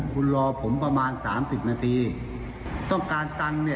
คุณรอผมประมาณสามสิบนาทีต้องการตังค์เนี่ย